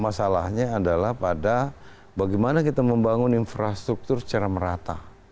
masalahnya adalah pada bagaimana kita membangun infrastruktur secara merata